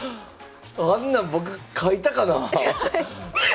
あんなん僕書いたかなあ？